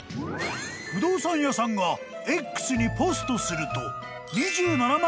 ［不動産屋さんがＸにポストすると］